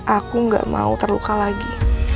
aku gak mau terluka lagi